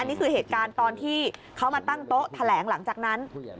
อันนี้ก็เหตุการณ์ตอนที่เค้ามาตั้งโต๊ะแถวนี้